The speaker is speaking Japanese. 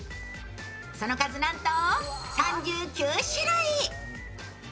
その数、なんと３９種類。